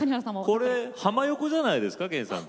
これ浜横じゃないですか剣さん。